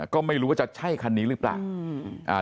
ก็ไม่รู้ว่าจะใช่คันนี้หรือเปล่า